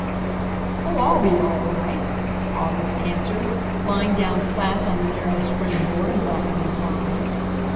"Oh! I'll be all right," August answered, lying down flat on the narrow springboard and dropping his line.